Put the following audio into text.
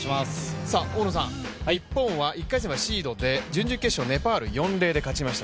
日本は１回戦はシードで、準々決勝、ネパールに４−０で勝ちました。